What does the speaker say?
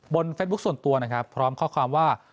เฟซบุ๊คส่วนตัวนะครับพร้อมข้อความว่า